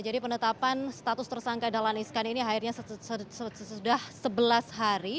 jadi penetapan status tersangka dahlan iskan ini akhirnya sudah sebelas hari